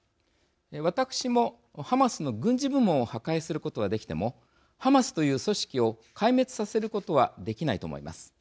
私もハマスの軍事部門を破壊することはできてもハマスという組織を壊滅させることはできないと思います。